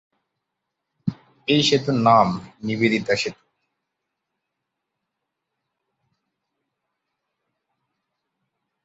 এই সেতুর নাম নিবেদিতা সেতু।